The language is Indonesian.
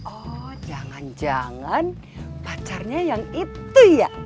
oh jangan jangan pacarnya yang itu ya